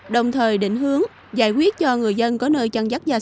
đồng thời định hướng giải quyết cho người dân có nơi chăn dắt gia